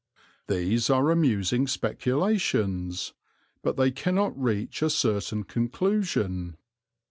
These are amusing speculations, but they cannot reach a certain conclusion.